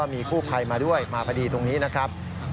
มาด้วยมาประดีตรงนี้นะครับ